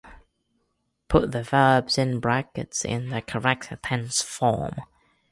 Put the verbs in brackets in the correct tense form.